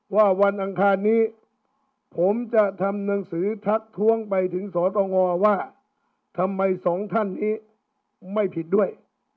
วันอังคารนี้ผมจะทำหนังสือทักท้วงไปถึงสตงว่าทำไมสองท่านนี้ไม่ผิดด้วย